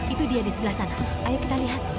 itu dia di sebelah sana ayo kita lihat